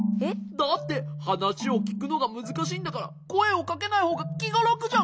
だって話をきくのがむずしいんだからこえをかけないほうがきがらくじゃん！